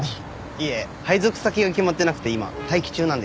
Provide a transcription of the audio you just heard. いえ配属先が決まってなくて今待機中なんですよ。